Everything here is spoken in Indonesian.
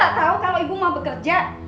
gak tahu kalau ibu mau bekerja